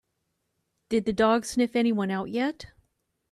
Did the dog sniff anyone out yet?